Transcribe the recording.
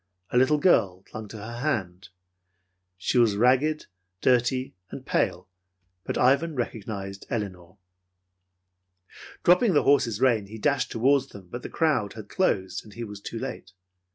A little girl clung to her other hand. She was ragged, dirty and pale; but Ivan recognized Elinor. Dropping the horse's rein, he dashed toward them, but the crowd had closed, and he was too late.